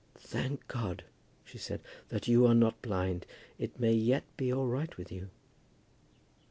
"Thank God," she said, "that you are not blind. It may yet be all right with you."